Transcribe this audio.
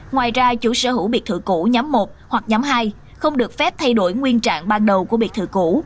ngoài ra chủ sở hữu biệt thự cũ nhóm một hoặc nhóm hai không được phép thay đổi nguyên trạng ban đầu của biệt thự cũ